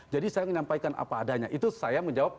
jadi saya menyampaikan apa adanya itu saya menjawab